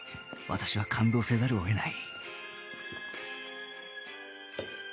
私は感動せざるを得ない